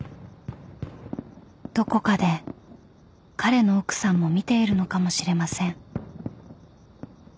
［どこかで彼の奥さんも見ているのかもしれません］